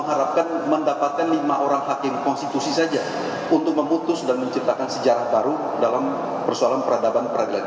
karena petitun ini sangat janggal dan tidak lazim